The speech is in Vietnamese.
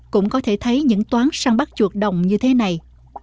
cũng có thể thấy những toán săn bắt chuột đồng như thế này